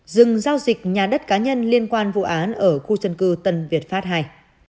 dừng giao dịch nhà đất cá nhân liên quan vụ án ở khu dân cư tân việt pháp ii